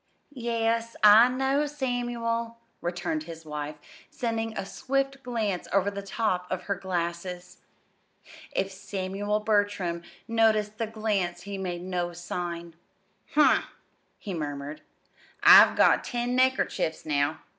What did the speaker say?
"Yes, I know, Samuel," returned his wife, sending a swift glance over the top of her glasses. If Samuel Bertram noticed the glance he made no sign. "Hm!" he murmured. "I've got ten neckerchiefs now.